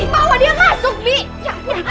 bawa dia masuk dwi